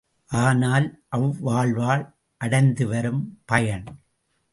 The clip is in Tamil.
ஆனால், அவ்வாழ்வால் அடைந்துவரும் பயன்...?